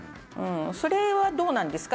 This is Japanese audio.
それはどうなんですか？